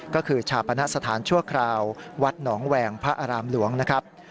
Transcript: ก็คือชาปณะสถานชั่วคราววัดหนองแหวงพระอารามหลวงนะครับ